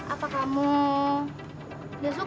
apa kamu tidak suka